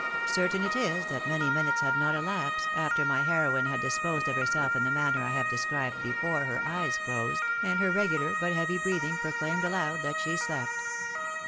Certain it is that many minutes had not elapsed after my heroine had disposed of herself in the manner I have described before her eyes closed, and her regular but heavy breathing proclaimed aloud that she slejDt.